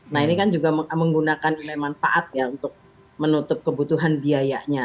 nah ini kan juga menggunakan nilai manfaat ya untuk menutup kebutuhan biayanya